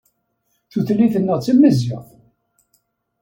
Tutlayt-nneɣ d tamaziɣt.